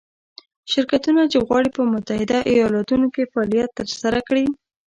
شرکتونه چې غواړي په متحده ایالتونو کې فعالیت ترسره کړي.